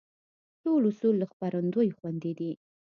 ټول اصول له خپرندوى خوندي دي.